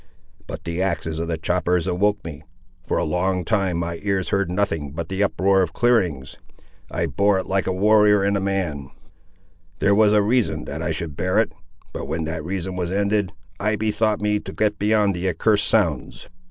But the axes of the choppers awoke me. For a long time my ears heard nothing but the uproar of clearings. I bore it like a warrior and a man; there was a reason that I should bear it: but when that reason was ended, I bethought me to get beyond the accursed sounds.